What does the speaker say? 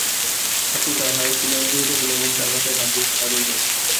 আপনি তার একটি নাম দিয়ে দেবেন এবং তার মাথায় হাত দিয়ে একটু আদর করবেন।